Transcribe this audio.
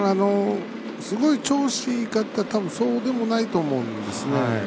すごい調子いいかと思ったらそうでもないと思うんですね。